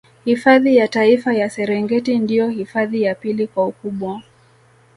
Hifadhi ya Taifa ya Serengeti ndio hifadhi ya pili kwa ukubwa